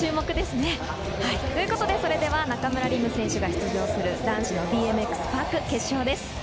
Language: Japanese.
ということで、それでは中村輪夢選手が出場する男子ＢＭＸパーク決勝です。